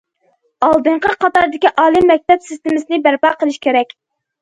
ئالدىنقى قاتاردىكى ئالىي مەكتەپ سىستېمىسىنى بەرپا قىلىش كېرەك.